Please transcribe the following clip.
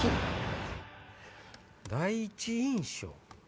第一印象。